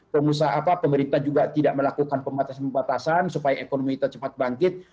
pengusaha pemerintah juga tidak melakukan pembatasan pembatasan supaya ekonomi kita cepat bangkit